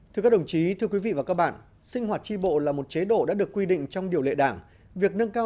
thưa các đồng chí thưa quý vị và các bạn sinh hoạt tri bộ là một chế độ đã được quy định trong điều lệ đảng